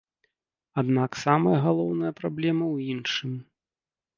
Аднак самая галоўная праблема ў іншым.